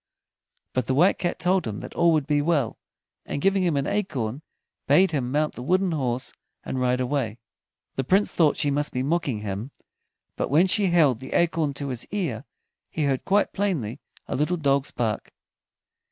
But the White Cat told him that all would be well, and giving him an acorn, bade him mount the wooden horse and ride away. The Prince thought she must be mocking him, but when she held the acorn to his ear, he heard quite plainly a little dog's bark.